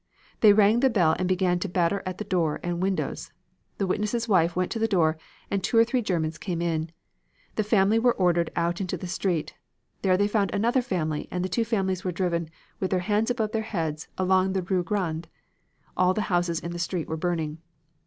They rang the bell and began to batter at the door and windows. The witness' wife went to the door and two or three Germans came in. The family were ordered out into the street. There they found another family, and the two families were driven with their hands above their heads along the Rue Grande. All the houses in the street were burning.